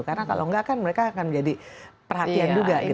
karena kalau nggak kan mereka akan jadi perhatian juga gitu